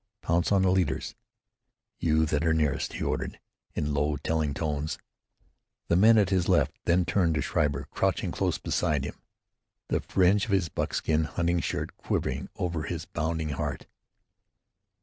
"Pounce on the leaders, you that are nearest!" he ordered, in low, telling tones, the men at his left; then turned to Schreiber, crouching close beside him, the fringe of his buckskin hunting shirt quivering over his bounding heart.